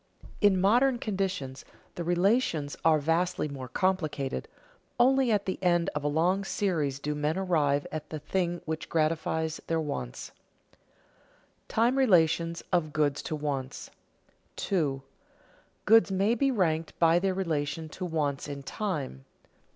In modern conditions the relations are vastly more complicated; only at the end of a long series do men arrive at the thing which gratifies their wants. [Sidenote: Time relations of goods to wants] 2. _Goods may be ranked by their relation to wants in time.